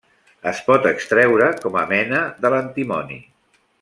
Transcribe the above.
Es pot extreure com a mena de l'antimoni.